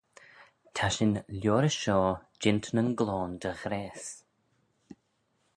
Ta shin liorish shoh jeant nyn gloan dy ghrayse.